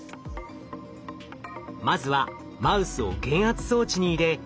まずはマウスを減圧装置に入れ